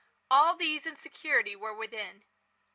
All these and security were within.